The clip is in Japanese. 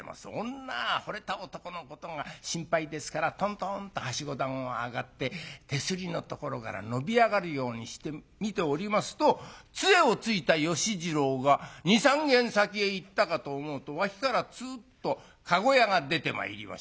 女はほれた男のことが心配ですからとんとんっとはしご段を上がって手すりのところから伸び上がるようにして見ておりますとつえをついた芳次郎が２３軒先へ行ったかと思うと脇からつーっと駕籠屋が出てまいりまして。